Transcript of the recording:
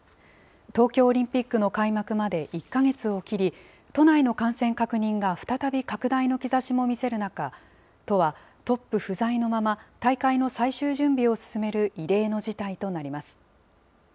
東京オリンピックの開幕まで１か月を切り、都内の感染確認が再び拡大の兆しも見せる中、都はトップ不在のまま大会の最終準備を進める異例の事態となります。